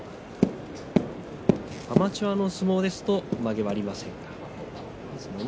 アマチュアの相撲ですとまげは、ありません。